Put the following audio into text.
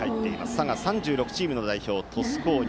佐賀３６チームの代表、鳥栖工業。